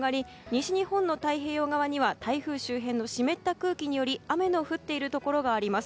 西日本の太平洋側には台風周辺の湿った空気により雨の降っているところがあります。